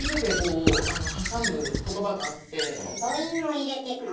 母音を入れていくの？